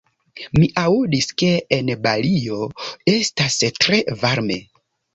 Mi aŭdis, ke en Balio estas tre varme.